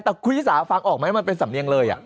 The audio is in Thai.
แต่คุณชิสาฟังออกไหมมันเป็นสำเนียงเลย